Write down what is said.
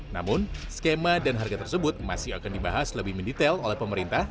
namun skema dan harga tersebut masih akan dibahas lebih mendetail oleh pemerintah